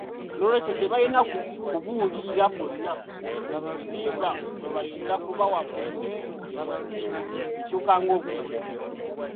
N'olwekyo tebalina kubuulirira kwonna kuzimba kwebayinza kubawa mu eno ensi ekyuka ng'obudde.